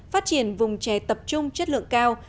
phát triển vùng chè tập trung chất lượng cao